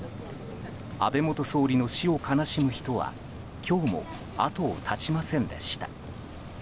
安倍元総理の死を悲しむ人は今日も後を絶ちませんでした。